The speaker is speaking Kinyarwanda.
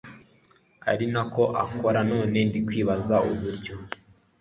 arinako akora none ndikwibaza uburyo